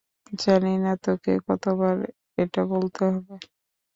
জানি না তোকে কতবার এটা বলতে হবে।